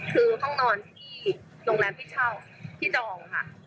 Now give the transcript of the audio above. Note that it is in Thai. คือห้องนอนที่โรงแรมพิเศษที่จองคะ